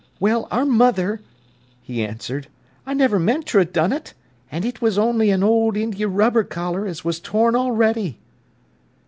"Well, our mother!" he answered. "I never meant tr'a done it—an' it was on'y an old indirrubber collar as was torn a'ready."